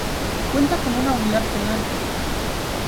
Cuenta con una unidad penal.